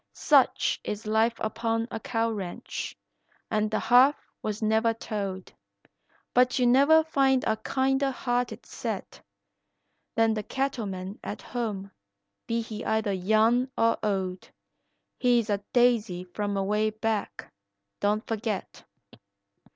Such is life upon a cow ranch, and the half was never told; But you never find a kinder hearted set Than the cattleman at home, be he either young or old, He's a "daisy from away back," don't forget.